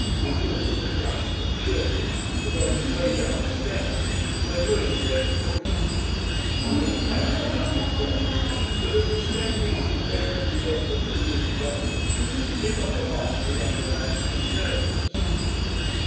Lagune, flushed but cheerful, was on his way downstairs when Lewisham overtook him. He was pale and out of breath, but as the staircase invariably rendered Lagune breathless he did not remark the younger man's disturbance.